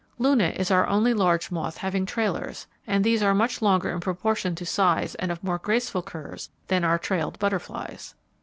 Luna is our only large moth having trailers, and these are much longer in proportion to size and of more graceful curves than our trailed butterflies.